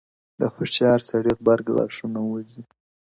د هوښيار سړي غبرگ غاښونه وزي.